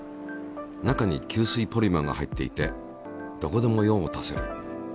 中に吸水ポリマーが入っていてどこでも用を足せる。